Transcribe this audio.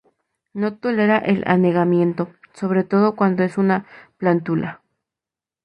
No tolera el anegamiento, sobre todo cuando es una plántula.